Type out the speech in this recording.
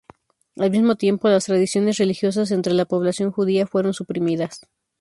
Al mismo tiempo, las tradiciones religiosas entre la población judía fueron suprimidas.